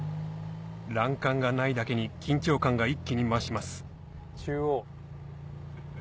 欄干がないだけに緊張感が一気に増します中央。